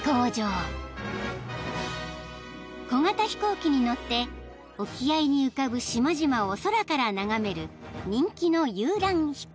［小型飛行機に乗って沖合に浮かぶ島々を空から眺める人気の遊覧飛行］